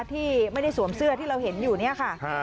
ที่ไม่ได้สวมเสื้อที่เราเห็นอยู่เนี่ยค่ะ